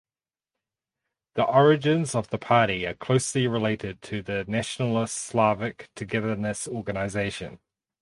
The origins of the party are closely related to the nationalist Slovak Togetherness organization.